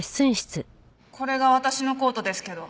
これが私のコートですけど。